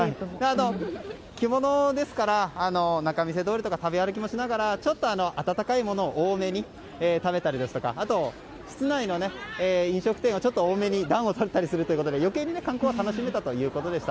着物ですから仲見世通りとか食べ歩きもしながら温かいものを多めに食べたり室内の飲食店はちょっと多めに暖をとったりするということで余計に観光は楽しめたということでした。